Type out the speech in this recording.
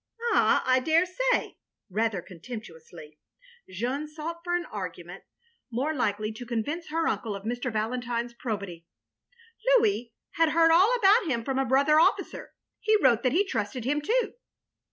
"Ay, I daresay," rather contemptuously. Jeanne sought for an argument more likely OF GROSVENOR SQUARE 307 to convince her uncle of Mr. Valentine's probity. " Lotiis — ^had heard all about him from a brother oflficer. He wrote that he trusted him, too.